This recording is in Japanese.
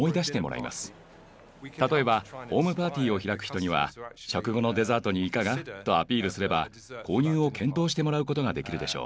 例えばホームパーティーを開く人には「食後のデザートにいかが？」とアピールすれば購入を検討してもらうことができるでしょう。